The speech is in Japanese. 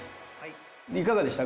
いかがでした？